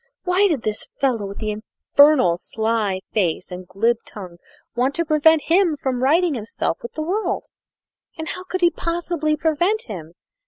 Why did this fellow, with the infernal sly face and glib tongue, want to prevent him from righting himself with the world, and how could he possibly prevent him?